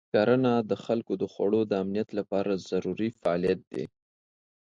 کرنه د خلکو د خوړو د امنیت لپاره ضروري فعالیت دی.